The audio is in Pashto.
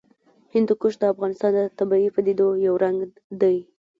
هندوکش د افغانستان د طبیعي پدیدو یو رنګ دی.